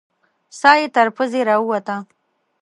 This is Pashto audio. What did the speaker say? ساه یې تر پزې راووته.